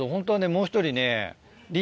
もう１人ね。